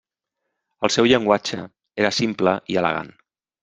El seu llenguatge era simple i elegant.